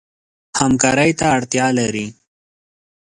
همکارۍ ته اړتیا لري.